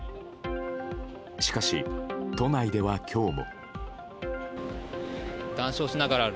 しかし、都内では今日も。